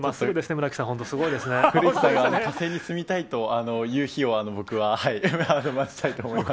村木さん、本当、古市さんが火星に住みたいという日を、僕は待ちたいと思います。